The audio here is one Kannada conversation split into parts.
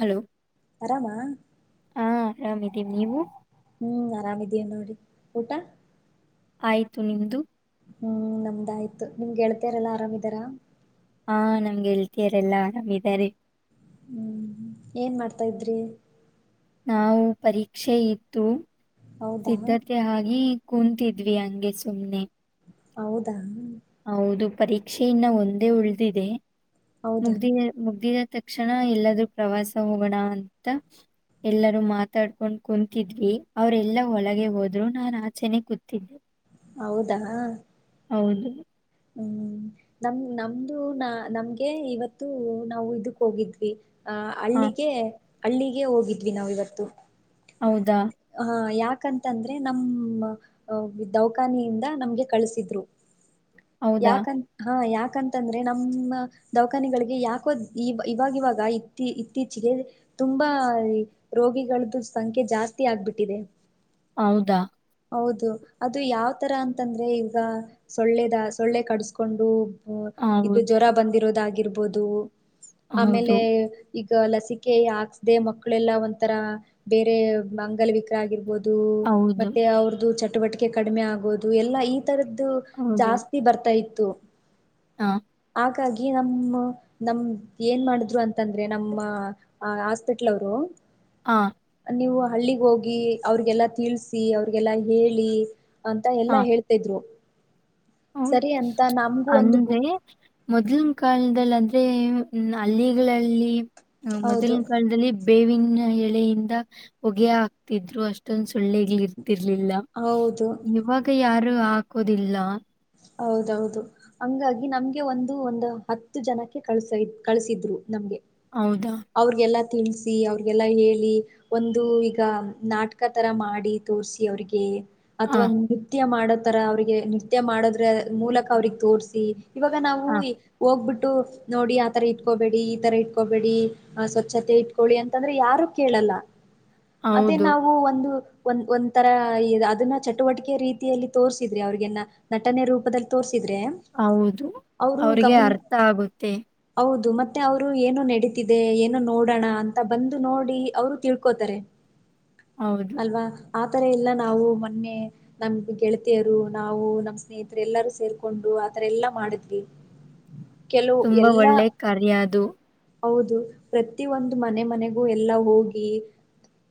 ಹಲೋ ಆರಾಮಾ ಹಾ ಆರಾಮಿದೀವಿ ನೀವು ಹ್ಮ್ ಆರಾಮ ನೋಡಿ ಊಟ ಆಯ್ತು ನಿಮ್ಮದು ಹ್ಮ್ ನಮ್ದಾಯಯ್ತು ನಿಮ್ಗೆೇಳ್ತಾರಲ್ಲಾ ಆರಾಮಿದಾರ ಹಾ ನಮ್ಗೆ ಹೇಳ್ತಿಯಾರೆ ಎಲ್ಲಾ ಆರಾಮಾರೆ ಹ್ಮ್ ಏನ್ ಮಾಡ್ತಾ ಇದ್ರಿ ನಾವು ಪರೀಕ್ಷೆ ಇತ್ತು ಹೌದಾ ಸಿದ್ಧತೆ ಹಾಗೆ ಕೂಂತಿದ್ವಿ ಹಂಗೆ ಸುಮ್ನೆ ಹೌದಾ ಹೌದು ಪರೀಕ್ಷೆ ಇನ್ನ ಒಂದೇ ಉಳಿದಿದೆ ಹೌದಾ ಮುಗ್ದ ಮುಗ್ದಿನ ತಕ್ಷಣ ಎಲ್ಲಾದ್ರೂ ಪ್ರವಾಸ ಹೋಗೋಣ ಅಂತ ಎಲ್ಲರೂ ಮಾತಾಡ್ಕೊಂಡ್ ಕುಂತಿದ್ವಿ ಅವ್ರೆಲ್ಲಾ ಒಳಗೆ ಹೋದ್ರು ನಾನ್ ಆಚೆನೆ ಕೂತಿದ್ದೆ ಹೌದಾ ಹೌದು ಹ್ಮ್ ನಮ್ ನಮ್ದು ನಾ ನಮ್ಗೆ ಇವತ್ತು ನಾವು ಇದಕ್ ಹೋಗಿದ್ವಿ ಆ ಅಲ್ಲಿಗೆ ಹಳ್ಳಗ ಹೋಗಿದ್ವಿ ನಾವವು ಇವತ್ತು ಹೌದಾ ಹ ಯಾಕೆ ಯಾಕಂತಂದ್ರೆ ನಮ ದೌಖಾನಿಯಿಂದ ನಮ್ಗೆ ಕಳಸಿದ್ರು ಹೌದಾ ಯಾಕಂತ ಹಾ ಯಾಕ ಯಾಕಂತಂದ್ರೆ ನಮ್ಮ ದವಾಖಾನೆಗಳಿಗೆ ಯಾಕೋ ಇವಾಗವಾಗ ಇತ್ತ ಇತ್ತೀಚಿಗೆ ತುಂಬಾ ರೋಗಿಗಳ್ದ ಸಂಖ್ಯೆ ಜಾಸ್ತಿ ಆಗ್ಬಿಟ್ಟಿದೆ ಹೌದಾ ಹೌದು ಅದು ಯಾವತರ ಅಂತಂದ್ರೆ ಈವಗ ಸೊಳ್ಳೆದ ಸೊಳ್ಳೆ ಕಡಿಸಕೊಂಡು ಹ ಹೌದು ಇದು ಜ್ವರ ಬಂದಿರೋದಾಗಿ ಆಗಿರ್ಬೋದು ಹೌದು ಆಮೇಲೆ ಈಗ ಲಸಿಕೆ ಹಾಕ್ಸದೆೇ ಮಕ್ಕಳೆಲ್ಲಾ ಒಂಥರ ಬೇರೆ ಮಂಗಲ ವಿಕ್ರ ಆಗಿರಬಹದು ಹೌದು ಚಟುವಟಿಕೆ ಕಡಿಮೆ ಆಗೋುದು ಎಲ್ಲ ಈ ಈಥರದ್ದು ಜಾಸ್ತಿ ಬರ್ತಾ ಇತ್ತು ತ್ತು ಹಾ ಹಾಗಾಗಿ ನಮ್ಮ ನಮ ಏನ್ ಮಾಡಿದ್ರು ಅಂತಂದ ಅಂದ್ರೆ ನಮ್ಮ ಹಾಸ್ಪಿಟ್ಲ್ ಅವರು ಹಾ ನೀವು ಹಳ್ಳಿಗ್ ಹೋಗಿ ಅವ್ರಿಗೆಲ್ಲಾ ತಿಳ್ಸ ಅವ್ರಿಗೆಲ್ಲ ಹೇಳಿ ಅಂತ ಎಲ್ಲಾ ಹೇಳ್ತಿದ್ರು ಹೌದು ಸರಿ ಅಂತ ನಮ್ಗೂ ಒಂದು ಗು ಅಂದ್ರೆ ಮೊದ್ಲಿನ ಕಾಲದದಲ್ಲಿ ಅಂತ ಹಲ್ಲಿಗಳಲ್ಲಿ ಹ ಹೌದು ಮೊದಲಿನ ಕಾಲದಲ್ಲಿ ಬೇವಿನ ಎಳೆಯಿಂದ ಹೊಗೆಯ ಹಾಕ್ತಿದ್ರು ಅಷ್ಟೊಂದ ಸೊಳ್ಳೆಗ್ ರ್ಲಿಲ್ಲ ಹೌದು ಇವಾಗ ಯಾರ ರು ಹಾಕೋದಿಲ್ಲ ಹೌದೌದು ಹಂಗಾಗಿ ನಮ್ಗೆ ಒಂದು ಒಂದು ಹತ್ತು ಜನಕ್ಕೆ ಕಳ್ಸ ಕಳಸಿದ್ರು ನಮ್ಗೆ ಹೌದಾ ತಿಳಿಸಿ ಅವ್ರಿಗೆಲ್ಲ ಹೇಳಿ ಒಂದು ಈಗ ನಾಟಕ ಥರ ಮಾಡಿ ತೋರಿಸಿ ಅವ್ರಿಗೆ ಹಾ ಅಥವಾ ನೃತ್ಯ ಮಾಡ ತರ ಅವ್ರರಿಗೆ ನಿ ನೃತ್ಯ ಮಾಡದ್ರೆ ಮೂಲಕ ಅವ್ರಿಗೆ ತೋರಿಸಿ ಇವಾಗ ನಾವು ಹಾ ಹೋಗ್ಬಿಟ್ಟ ನೋಡಿ ಆತರ ಇಟ್ಕೋಬೇಡಿ ಈ ತರ ಇಟ್ಕೋಬೇಡಿ ಅ ಸ್ವಚ್ಛತೆ ಇಟ್ಕೊಳ್ಳಿ ಅಂತಂದ್ರೆ ಯಾರು ಕೇಳಲ್ಲ. ಅದೇ ಹೌದು ನಾವು ಒಂದು ಒಂದ ಒಂಥರಾ ಅದನ್ನ ಚಟುವಟಿಕೆ ರೀತಿಯಲ್ಲಿ ತೋರ್ಸಿದ್ರಿ ಅವ್ರಿಗೆನ ನಟನೆ ರೂಪದಲ್ಲಿ ತೋರಿಸ ಹೌದು ಅವ್ರಿಗೆ ಗಮನ ಅರ್ಥ ಆಗುತ್ತೆ. ಹೌದು ಮತ್ತೆ ಅವ್ರು ಏನು ನಡೀತಿದೆ ಏನು ನೋಡೋಣ ಅಂತ ಬಂದು ನೋಡಿ ಅವರು ತಿಳ್ಕೋತಾರೆ. ಹೌದು ಅಲ್ವಾ? ಆತರ ಇಲ್ಲ ನಾವು ಮೊನ್ನೆ ನಮ್ ಗೆಳತಿಯರು ನಾವು ನಮ ಸ್ನೇಹಿತರೆ ಎಲ್ಲಾರೂ ಸೇರ್ಕೊಂಡು ಆತರ ಎಲ್ಲಾ ಮಾಡಿದ್ವಿ, ಕೆಲವು ತುಂಬಾ ಎಲ್ಲಾ ಒಳ್ಳೆ ಕಾರ್ಯ ಅದು. ಹೌದು ಪ್ರತಿೊಂದು ಮನೆ ಮನೆಗೂ ಎಲ್ಲಾ ಹೋಗಿ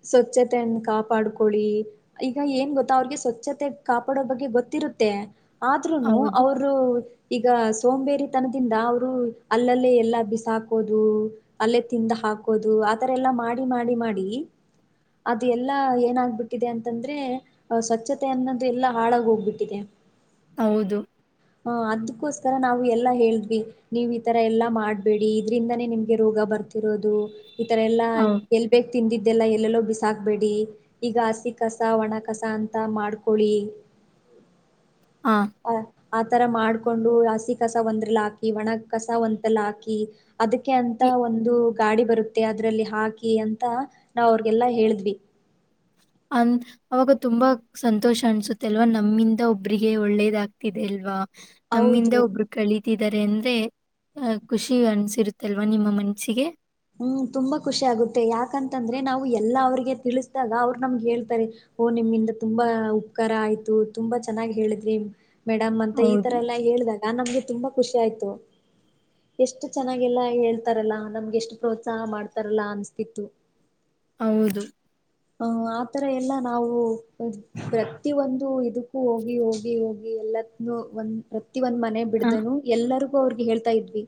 ಸ್ವಚ್ಛತೆಯನ್ನ ಕಾಪಾಡ್ಕೊಳ್ಳಿ ಈಗ ಏನ್ ಗೊತ್ತಾ ಅವ್ರಿಗೆ ಸ್ವಚ್ಛತೆ ಕಾಪಾಡೋ ಬಗ್ಗೆ ಗೊತ್ತಿರುತ್ತೆ. ಆದ್ರೂನು ಹೌದು ಅವರು ಈಗ ಸೋಂಬೇರಿತನದಿಂದ ಅವರು ಅಲ್ಲಲ್ಲೇ ಎಲ್ಲಾ ಬಿಸಾಕೋದು, ಅಲ್ಲೇ ತಿಂದ ಹಾಕೋದು ಆತರ ಎಲ್ಲಾ ಮಾಡಿ ಮಾಡಿ ಮಾಡಿ ಅದು ಎಲ್ಲಾ ಏನಾಗಬಿಟ್ಟಿದೆ ಅಂತಂದ್ರೆ ಸ್ವಚ್ಛತೆ ಅನ್ನೋದು ಎಲ್ಲಾ ಹಾಳಾಗ ಹೋಗ್ಬಿಟ್ಟಿದೆ ಹೌದು ಹ ಅದಕೋಸ್ಕರ ನಾವು ಎಲ್ಲಾ ಹೇಳಿದ್ವಿ ನೀವ್ ಈ ತರ ಎಲ್ಲಾ ಮಾಡ್ಬೇಡಿ ಇದ್ರಿಂದಾನೇ ನಿಮ್ಗೆ ರೋಗ ಬರ್ತ ಇರೋದು ಈ ತರ ಎಲ್ಲಾ ಹೌದು ಎಲ್ಬೇಕು ತಿಂದಿದ್ದೆಲ್ಲ ಎಲ್ಲೆಲ್ಲೋ ಬಿಸಾಕ್ಬೇಡಿ ಈಗ ಹಸಿ ಕಸ ಒಣ ಕಸ ಅಂತ ಮಾಡ್ಕೊೊಳ್ಳಿ, ಹಾ ಆತರ ಮಾಡ್ಕೊಂಡು ಹಸಿ ಕಸ ಒಂದ್ರಲ್ಲ ಹಾಕಿ ಒಣ ಕಸ ಒಂತಲ್ಲ ಹಾಕಿ, ಅದಕ್ಕೆ ಅಂತ ಒಂದು ಗಾಡಿ ಬರುತ್ತೆ ಅದ್ರಲ್ಲಿ ಹಾಕಿ ಅಂತ ನಾವ ಅವ್ರಗೆಲ್ಲಾ ಹೇಳಿದ್ವಿ, ಅಂದ ಅವಾಗ ತುಂಬಾ ಸಂತೋಷ ಅನ್ಸುತ್ತೆ ಅಲ್ವಾ ನಮ್ಮಿಂದ ಒಬ್ರಿಗೆ ಒಳ್ಳೇದಾಗ್ತಿದೆ ಅಲ್ವಾ, ನಮ್ಮಿಂದ ಹೌದು. ಒಬ್ರು ಕಳಿ ಿದ್ದಾರೆ ಅಂದ್ರೆ ಅಹ ಖುಷಿ ಅನ್ಸಿರುತ್ತಲ್ವಾ ನಿಮ್ಮ ಮನ್ಸಿಗೆ ಹ್ಮ್ ತುಂಬಾ ಖುಷಿ ಆಗುತ್ತೆ ಯಾಕಂತಂದ್ರೆ ನಾವು ಎಲ್ಲಾ ಅವ್ರಿಗೆ ತಿಳಿಸ್ದಾಗ ಅವ್ರರು ನಮ್ಗೆ ಹೇಳ್ತಾರೆ ಓ ನಿಮಗಿಂದ ತುಂಬಾ ಉಪಕಾರ ಆಯ್ತು ತುಂಬಾ ಚೆನ್ನಾಗ್ ಹೇಳಿದ್ರಿ ಮೇಡಮ್ ಅಂತ ಈ ತರ ಹೌದು ಎಲ್ಲಾ ಹೇಳಿದಾಗ ನಮ್ಗೆ ತುಂಬಾ ಖುಷಿ ಆಯ್ತು ಎಷ್ಟು ಚೆನ್ನಾಗಿಲ್ಲ ಹೇಳ್ತಾರಲ್ಲ ನಮ್ಗೆ ಎಷ್ಟು ಪ್ರೋತ್ಸಾಹ ಮಾಡ್ತಾರಲ್ಲಾ ಅನ್ಸ್ತಿತ್ತು. ಹೌದು ಆರ ಎಲ್ಲ ನಾವು ಪ್ರತಿ ಒಂದು ಇ ಹೋಗಿ ಹೋಗಿ ಹೋಗಿ ಎಲ್ಲತ್ನು ಒಂದ್ ಪ್ರತಿ ಒಂದ್ ಮನೆ ಆ, ಬಿಡ್ದನು ಎಲ್ಲರೂ ಅವ್ರಿಗೆ ಹೇಳ್ತಾ ಇದ್ವಿ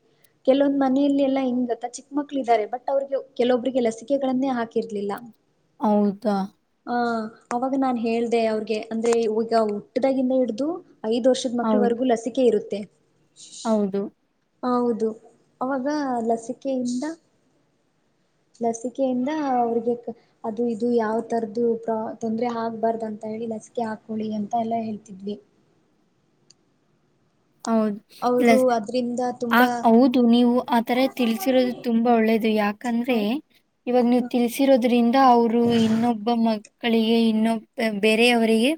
ಕೆಲವೊ್ ಮನೆಯಲ್ಲಿ ಎಲ್ಲಾ ಹಿಂಗತ್ತ ಚಿಕ್ಕ ಕ್ಕ ಮಕ್ಕಳ ಇದಿದ್ದಾರೆ ಬಟ್ ಅವ್ರಿಗೆ ಕೆಲವೊಬ್ರರಿಗೆ ಲಸಿಕೆಗಳನ್ನೇ ಹಾಕಿರ್ಲಿಲ್ಲ ಹೌದಾ ಹ ಅವಾಗ ನಾನ್ ಹೇಳ್ದ ಅವ್ರಿಗೆ ಅಂದ್ರೆ ಈಗ ಹುಟ್ಟ್ದಾಗಿಂದ ಹಿಡ್ದು ಐದು ವರ್ಷದ್ ಹೌದು ಮಕ್ಕಳವರೆಗೂ ಲಸಿಕೆ ಇರುತ್ತೆ ಹೌದು ಹೌದು ಅವಾಗ ಲಸಿಕೆ ಟ ಲಸಿಕೆಯಿಂದ ಅವ್ರಿಗೆ ಅದು ಇದು ಯಾವ ತರದ್ದು ಪ್ರ ತೊಂದರೆ ಆಗ್ಬಾರ್ದು ಅಂತ ಹೇಳಿ ಲಸಿಕೆ ಹಾಕೊಳ್ಳಿ ಅಂತ ಎಲ್ಲ ಹೇಳ್ತಿದ್ವಿ ಹೌದು ಇಲ್ಲ ಅವರು ಅದ್ರಿಂದ ಆ ತುಂಬಾ ಹೌದು ನೀವು ಆತರ ತಿಲ್ಸಿರೋದು ತುಂಬಾ ಒಳ್ಳೇದು ಯಾಕಂದ್ರೆ ಇವಾಗ ನೀವು ತಿಲ್ಸಿರೋದ್ರಿಂದ ಅವರು ಇನ್ನೊಬ್ಬ ಮ ಮಳಿಗೆ ಇನ್ನೊಬ್ ಬೇರೆಯವರಿಗೆ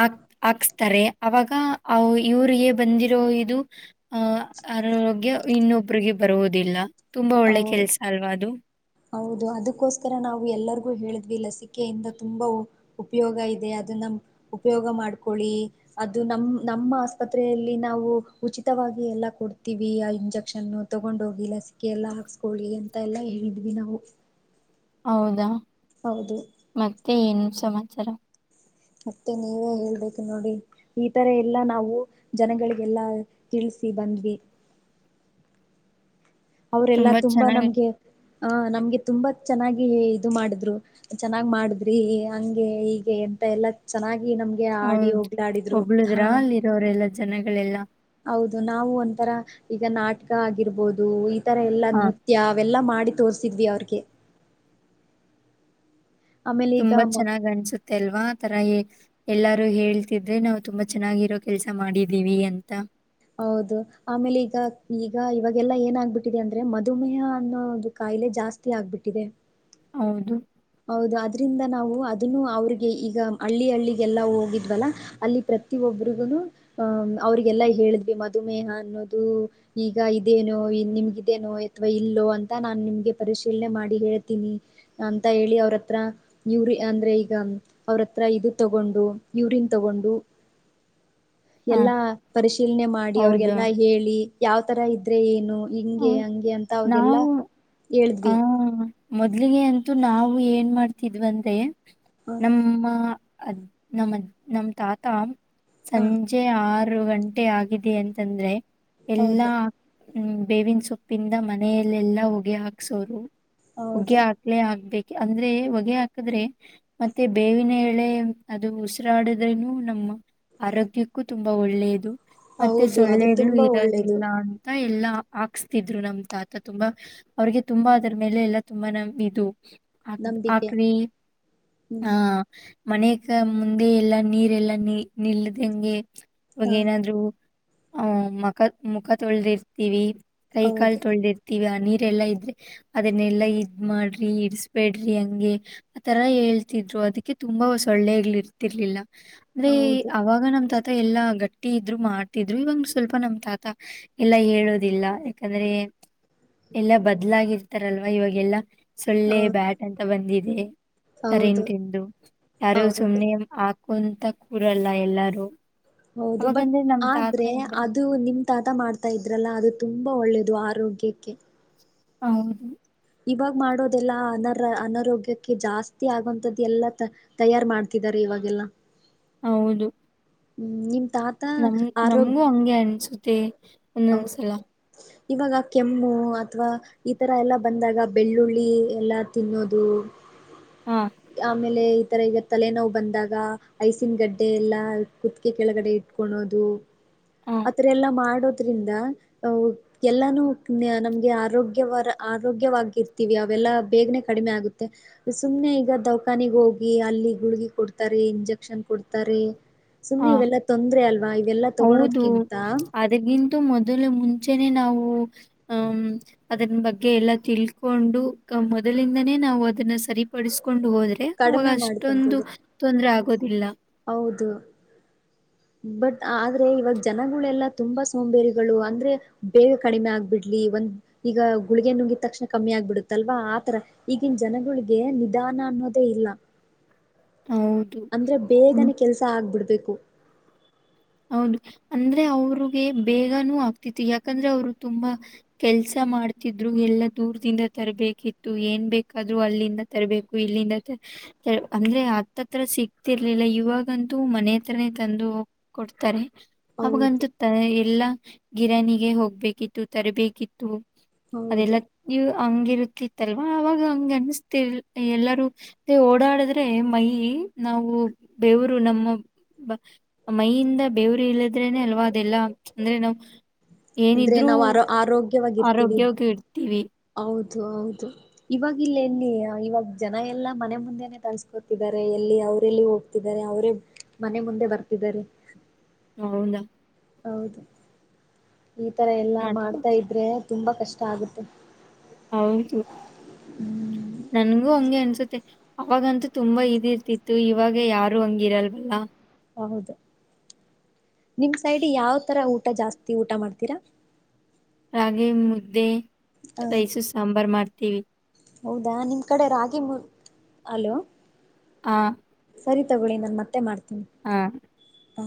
ಆ ಹಾಕ್ಸ್ತಾರೆ ಅವಾಗ ಅವ್ ಇವ್ರಿಗೆ ಬಂದಿರೋ ಇದು ಆಹ ಆರೋಗ್ಯ ಇನ್ನೊಬ್ರಿಗೆ ಬರುವುದಿಲ್ಲ ತುಂಬಾ ಒಳ್ಳೆ ಕೆಲ್ಸ ಅಲ್ವಾ ಅದು ಹೌದು ಅದಕ್ಕೋಸ್ಕರ ನಾವು ಎಲ್ಲರಿಗೂ ಹೇಳಿದ್ವಿ ಲಸಿಕೆಯಿಂದ ತುಂಬಾ ಉಪಯೋಗ ಇದೆ ಅದನ್ನ ಉಪಯೋಗ ಮಾಡ್ಕೊಳ್ಳಿ ಅದು ನಮ್ ನಮ್ಮ ಆಸ್ಪತ್ರೆಯಲ್ಲಿ ನಾವು ಉಚಿತವಾಗಿ ಎಲ್ಲಾ ಕೊಡ್ತೀವಿ ಆ ಇಂಜೆಕ್ಷನ್ ತಗೊಂಡೋಗಿ ಲಸಿಕೆಲ್ಲ ಹಾಕ್ಸ್ಕೊಳ್ಳಿ ಅಂತ ಎಲ್ಲ ಹೇಳಿದ್ವಿ ಭಿನವು ಹೌದಾ ಹೌದು ಮತೆ ಏನು ಸಮಾಚಾರ ಮತ್ತೆ ನೀವೇ ಹೇಳ್ಬೇಕು ನೋಡಿ ಈ ತರ ಎಲ್ಲಾ ನಾವು ಜನಗಳಿಗೆಲ್ಲಾ ತಿಳಿಸಿಬಂದ್ವಿ ಅವರೆಲ್ಲಾ ತುಂಬಾ ನಮ್ಗೆ ಆ ನಮ್ಗೆ ತುಂಬಾ ಚೆನ್ನಾಗಿ ಇದು ಮಾಡಿದ್ರು ಚೆನ್ನಾಗ್ ಮಾಡಿದ್ರಿ ಹಂಗೆ ಹೀಗೆ ಎಂತ ಎಲ್ಲಾ ಚೆನ್ನಾಗಿ ನಮ್ಗೆ ಆಡಿ ಹೌದು ಹೋಗ್ಲಾ ಆಡಿದ್ರು ಹಾ ಹೊಗಳಿದ್ರಾ ಅಲ್ಲಿರೋರೆಲ್ಲ ಜನಗಳೆಲ್ಲ ಹೌದು ನಾವು ಒಂಥರ ಈಗ ನಾಟಕ ಆಗಿರ್ಬೋದು ಇದ್ ತರ ಎಲ್ಲಾ ಹಾ ನೃತ್ಯ ಅವೆಲ್ಲಾ ಮಾಡಿ ತೋರ್ಸ್ ಸಿದ್ವಿ ಅವ್ರಿಗೆ ಆಮೇಲೆ ಈಗ ತುಂಬಾ ಮ ಚೆನ್ನಾಗ್ ಅನ್ಸುತ್ತೆ ಅಲ್ವಾ ಆ ತರ ಇ ಎಲ್ಲಾರು ಹೇಳ್ತಿದ್ರೆ ನಾವು ತುಂಬಾ ಚೆನ್ನಾಗಿರೋ ಕೆಲ್ಸ ಮಾಡಿದೀವಿ ಅಂತ ಹೌದು ಆಮೇಲೆ ಈಗ ಇ ಈಗ ಇವಾಗೆಲ್ಲಾ ಏನ ಆಗ್ಬಿಟ್ಟಿದೆ ಅಂದ್ರೆ ಮಧುಮೇಹ ಅನ್ನೋದು ಕಾಯಿಲೆ ಜಾಸ್ತಿ ಆಗ್ಬಿಟ್ಟಿದೆ ಹೌದು ಹೌದು ಅದ್ರಿಂದ ನಾವು ಅದನ್ನು ಅವ್ರಿಗೆ ಈಗ ಹಳ್ಳಿ ಹಳ್ಳಿಗೆಲ್ಲಾ ಹೋಗಿದ್ವಲ್ಲ ಅಲ್ಲಿ ಪ್ರತಿಯ ಒಬ್ರಿಗುನು ಅಹ ಅವ್ರಿಗೆಲ್ಲಾ ಹೇಳಿದ್ವಿ ಮಧುಮೇಹ ಅನ್ನೋದು ಈಗ ಇದೇನೋ ನಿಮ್ಗೇನೋ ಅಥವಾ ಇಲ್ಲೋ ಅಂತ ನಾನ್ ನಿಮ್ಗೆ ಪರಿಶೀಲನೆ ಮಾಡಿ ಹೇಳ್ತೀನಿ ಅಂ ಅ ಹೇಳಿ ಅವ್ರ ಹತ್ರ ಯೂರಿ ಅಂದ್ರೆ ಈಗ ಅವ್ರತ್ರ ಇದು ತಗೊಂಡು ಯೂರಿನ್ ತಗೊಂಡು ಹಾ ಎಲ್ಲಾ ಪರಿಶೀಲನೆ ಮಾಡಿ ಹೌದಾ ಅವ್ರಿಗೆಲ್ಲಾ ಹೇಳಿ ಯಾವ್ ತರ ಇದ್ರೆ ಏನು ಹಿಂಗೆ ಹ್ಮ್. ಹಂಗೆ ಅಂತ ಅವ್ಗೆಲ್ಲಾ ನಾವು ಹೇಳಿದ್ವಿ ಆ ಮೊದ್ಲಿಗೆ ಅಂತೂ ನಾವು ಏನ್ ಮಾಡ್ತಿದ್ವಂದ್ರೆ ಹ ನಮ್ಮ ಅದ್ ನಮನ ನಮ್ಮ ತಾತಾ ಹ ಸಂಜೆ ಆರು ಆರು ಗಂಟೆ ಆಗಿದೆ ಅಂತಂದ್ರೆ ಎಲ್ಲಾ ಹೌದು ಹ್ಮ್ ಬೇವಿನ ಸೊಪ್ಪಿಂದ ಮನೆಯಲೆೆಲ್ಲಾ ಹೊಗೆ ಹಾಕ್ಸೋದು. ಹೊಗ್ಗೆ ಹೌದು. ಹಾಕ್ಲೆೇ ಆಗ್ಬೇಕ್ ಅಂದ್ರೆ ಹೊಗೆ ಹಾಕಿದ್ರೆ ಮತ್ತೆ ಬೇವಿನ ಎಳೆ ಅದು ಉಸಿರಾಡದ್ರನು ನಮ್ಮ ಆರೋಗ್ಯಕ್ಕೂ ತುಂಬಾ ಒಳ್ಳೆಯದು. ಮತ್ತೆ ಹೌದು ಅದು ಸೊಳ್ಳೆಗಳು ತುಂಬಾ ಒಳ್ಳೇದು ಇರೋದಿಲ್ಲ ಅಂತ. ಹಾ ಎಲ್ಲಾ ಹಾಕ್ಸ್ತಿದ್ರು ನಮ್ ತಾತ ತುಂಬಾ ಅವ್ರಿಗೆ ತುಂಬಾ ಅದ್ರ ಮೇಲೆ ಎಲ್ಲಾ ತುಂಬಾ ನಮ ಇದು ಹಾಕ್ತಿದ್ದ್ ನಂಬಿಕೆ ಆಕರಿ ಹ್ಮ್ ಆ ಮನೆಕ ಮುಂದೆ ಎಲ್ಲಾ ನೀರೆ ಎಲ್ಲಾ ನಿಲ್ಲದಂಗೆ ಇವಾಗ ಹ ಏನಾದ್ರು ಅ ಮಖ ಮುಖ ತೋಳ್ದಿರ್ತೀವಿ. ಕೈ ಕಾಲ್ ಹೌದು ತೊಳದಿರ್ತೀವಿ. ನೀರೆಲ್ಲಾ ಇದ್ರೆ ಅದನ್ನೆಲ್ಲಾ ಇದ್ ಮಾಡ್ರಿ ಇಡಸ್ಬೇಡ್ರಿ ಹಂಗೆ ಆ ತರ ಹೇಳ್ತಿದ್ರು ಅದಕ್ಕೆ ತುಂಬಾ ಸೊಳ್ಳೆಗ್ ಇರ್ತಿರ್ಲಿಲ್ಲ. ಅಂದ್ರೆ ಹೌದು ಅವಾಗ ನಮ್ ತಾತ ಮತ್ತೆ ಎಲ್ಲಾ ಗಟ್ಟಿ ಇದ್ರು ಮಾಡ್ತಿದ್ರು ಇವಂಗ ಸ್ವಲ್ಪ ನಮ್ ತಾತಾ ಎಲ್ಲಾ ಹೇಳೋದಿಲ್ಲ. ಯಾಕಂದ್ರೆ ಎಲ್ಲಾ ಬದ್ಲಾಗಿರ್ತಾರಲ್ವಾ ಇವಾಗೆಲ್ಲ ಸೊಳ್ಳೆ ಹೌದು ಬ್ಯಾಟ್ ಅಂತ ಬಂದಿದ ಎ ಹೌದು ಕರೆಂಟಿಂದು ಯಾರು ಹೌದು ಸುಮ್ನೆ ಮಾ ಕುಂತ ಕೂರಲ್ಲ ಎಲ್ಲಾರು. ಹೌದು ಬಟ್ ಅವಾಗಂದ್ರೆ ನಮ್ ತಾತ ಆದ್ರೆ ಅಂದ್ರೆ ಅದು ನಿಮ್ ತಾತ ಮಾಡ್ತಾ ಇದ್ರಲ್ಲ ಅದು ತುಂಬಾ ಒಳ್ಳೇದು. ಅದು ಆರೋಗ್ಯಕ್ಕೆ. ಹೌದು ಇವಾಗ ಮಾಡೋದೆಲ್ಲಾ ಅನಾರ ಅನಾರೋಗ್ಯಕ್ಕೆ ಜಾಸ್ತಿ ಆಗೋಂತದ್ದ ಎಲ್ಲ ತಯಾರ ಮಾಡ್ತಿದ್ದಾರೆ ಇವಾಗೆಲ್ಲ. ಹೌದು ಹ್ಮ್ ನಿಮ್ ತಾತ ನಮ್ ಆರೋಗ್ಯ ನಮಗೂ ಹಂಗೆ ಅನ್ಸುತ್ತ. ಮತ್ತೆ ಹೌದು ಒಂದೊಂದ್ಸಲಾ ಇವಾಗ ಕೆಮ್ಮು ಅಥವಾ ಈ ತರ ಎಲ್ಲ ಬಂದಾಗ ಬೆಳ್ಳುಳ್ಳಿ ಎಲ್ಲ ತಿನ್ನೋದು ಹಾ ಆಮೇಲೆ ಇತರ ಈಗ ತಲೆನೋವು ಬಂದಾಗ ಐಸಿನ ಗಡ್ಡೆ ಎಲ್ಲ ಕುತ್ಗೆ ಕೆಳಗಡೆ ಇತ್ಕೋಳ್ಳೋದು ಹ ಆತರ ಎಲ್ಲಾ ಮಾಡೋದ್ರಿಂದ, ಅಹ ಎಲ್ಲಾನೂ ನಮ್ಗೆ ಆರೋಗ್ಯವರ ಆರೋಗ್ಯವಾಗಿ ಇರ್ತೀವಿ ಅವೆಲ್ಲಾ ಬೇಗನೆ ಕಡಿಮೆ ಆಗುತ್ತೆ ಸುಮ್ನೆ ಈಗ ದೌಖಾನಿಗ್ ಹೋಗಿ ಅಲ್ಲಿ ಗುಳ್ಗಿ ಕೊಡ್ತಾರೆ, ಇಂಜೆಕ್ಷನ್ ಕೊಡ್ತಾರೆ. ಸುಮ್ಮನೆ ಇವೆಲ್ಲ ತೊಂದ್ರೆ ಅಲ್ವಾ ಇವೆಲ್ಲ ತೊಗೋಳೋದ್ ಅದಕ್ಕಿಂತ ಮೊದಲು ಮೊದಲು ಮುಂಚೆನೆ ನಾವು ಹ ಅದನ್ ಬಗ್ಗೆ ಎಲ್ಲಾ ತಿಳ್ಕೊಂಡು ಮೊದಲಿಂದನೇ ನಾವು ಅದನ್ನ ಸರಿಪಡಿಸಿಕೊ ಕೊಂಡು ಹೋದ್ರೆ ಅವವಾಗ ಕಡಿಮೆ ಅಷ್ಟೊಂದು ಮಾಡ್ಕೊಂತಿದ್ರೆ ತೊಂದರೆ ಆಗ ಆಗೋದಿಲ್ಲ. ಹೌದು, ಬಟ್ ಆದ್ರೆ ಇವಾಗ ಜನಗಳೆಲ್ಲ ತುಂಬಾ ಸೋಂಬೇರಿಗಳು. ಅಂದ್ರೆ ಬೇಗ ಕಡಿಮೆ ಆಗ್ಬಿಡ್ಲಿ, ಒಂದ್ ಈಗ ಗುಳಿಗೆ ನುಂಗಿದ ತಕ್ಷಣ ಕಮ್ಮಿ ಆಗ್ಬಿಡುತ್ತಲ್ವಾ ಆತರ ಈಗಿನ ಜನಗಳಿಗೆ ನಿಧಾನ ಅನ್ನೋದೇ ಇಲ್ಲ. ಹೌದು ಅಂದ್ರೆ ಬೇಗನೆ ಕೆಲಸಾ ಆ ಆಗ್ಬಿಡ್ಬೇಕು. ಹೌದು ಅಂದ್ರೆ ಅವ್ರಿಗೆ ಬೇಗಾನೂ ಆಗ್ತಿತ್ತು, ಯಾಕಂದ್ರೆ ಅವ್ರು ತುಂಬಾ ಕೆಲ್ಸ ಮಾಡ್ತಿದ್ರು ಎಲ್ಲಾ ದೂರ್ದಿಂದ ತರ್ಬೇಕಿತ್ತು ಏನ್ ಬೇಕಾದ್ರು ಅಲ್ಲಿಂದ ತರ್ಬೇಕು, ಇಲ್ಲಿಂದ ಅಂದ್ರೆ ಹತ್ತತ್ರ ಸಿಕ್ತಿರ್ಲಿಲ್ಲ, ಇವಾಗಂತೂ ಮನೆ ಹತ್ರರನೇ ತಂದು ಕೊಡ್ತಾರೆ ಹೌದು ಅವಾಗಂತತ ಎಲ್ಲಾ ಗಿರಣಾಣಿಗೆ ಹೋಗ್ಬೇಕಿತ್ತು, ತರಬೇಕಿತ್ತು, ಅದೆಲ್ಲ ಹೌದು ನೀವು ಹಂಗಿರುತಿತ್ತಲ್ವಾ ಅವವಾಗ ಹಂಗ ಅನಸ್ತಿ ಎಲ್ಲರೂ ಓಡಾಡಿದ್ರೆ ಮೈ ನಾವು ಬೇವರು ನಮ್ಮ ಮೈಯಿಂದ ಬೇವರು ಇಲ್ಲದ್ರೇನೆ ಅಲ್ವಾ ಅದೆಲ್ಲ ಅಂದ್ರೆ ನಾವು ಅಂದ್ರೆ ಏನಿದ್ರೂ ನಾವ್ ಆರೋ ಆರೋಗ್ಯವಾಗಿರ್ತೀವಿ ಆರೋಗ್ಯವಾಗಿ ಇರ್ತೀವಿ, ಹದು ಹೌದು, ಇವಗ ಎಲ್ಲಿ ಇವಾಗ ಜನ ಎಲ್ಲಾ ಮನೆ ಮುಂದೆನೆೇ ತಳ್ಸ್ಕೊತಿದ್ದಾರೆ ಎಲ್ಲಿ ಅವ್ರಲ್ಲಿ ಹೋಗ್ತಿದ್ದಾರೆ ಅವರೇ ಮನೆ ಮುಂದೆ ಬರ್ತಿದ್ದಾರೆ. ಹೌದಾ ಹೌದು ಈ ತರ ಎಲ್ಲಾ ಮತ್ತ ಮಾಡ್ತಾ ಇದ್ರೆ, ತುಂಬ ಕಷ್ಟ ಆಗುತ್ತೆ ಹೌದು, ಹ್ಮ್ ನನ್ಗೂ ಹಂಗೆ ಅನ್ಸುತ್ತೆ ಅವಾಗಂತೂ ತುಂಬಾ ಇದಿರ್ತಿತ್ತು ಇವಾಗ ಯಾರು ಹಂಗಿರಲ್ವಲ್ಲ ಹೌದು, ನಿಮ್ ಸೈಡ್ ಯಾವ ತರ ಊಟ? ಊಟ ಜಾಸ್ತಿ ಊಟ ಮಾಡ್ತೀರಾ? ರಗಿ ಮುದ್ದೆ, ಹ ರೈಸು ಸಾಂಬಾರ್ು ಮಾಡ್ತ ಟಿವಿ ಹೌದಾ ನಿಮ್ ಕಡೆ ರಾಗಿ ಮುದ್ದೆ, ಅಲೋ ಹಾ ಸರಿ ತಗೊಳ್ಳಿ ನ ಮತ್ತೆ ಮಾಡ್ತೀನಿ ಹ ಹಾ